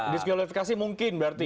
diskualifikasi mungkin berarti